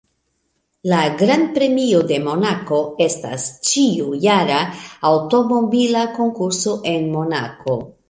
La Grand-Premio de Monako estas ĉiujara aŭtomobila konkurso en Monako.